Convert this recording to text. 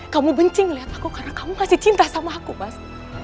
kamu benci ngeliat aku karena kamu masih cinta sama aku mas